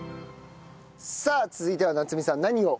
さあ続いては奈津美さん何を？